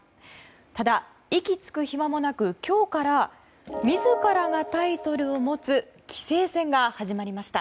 ただ、息つく暇もなく今日から自らがタイトルを持つ棋聖戦が始まりました。